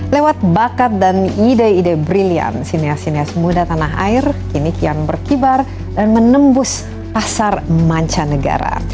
lewat bakat dan ide ide briliant sinias sinias muda tanah air kini kian berkibar dan menembus pasar mancanegara